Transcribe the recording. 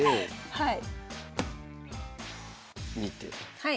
はい。